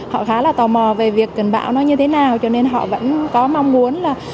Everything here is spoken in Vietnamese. họ khá là tò mò về việc cần bão nó như thế nào cho nên họ vẫn có mong muốn là